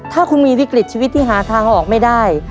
ถ้าคุณมีวิกฤตชีวิตที่หาทางออกไม่ได้